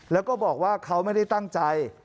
แล้วก็บอกว่าเขาไม่ได้ตั้งใจ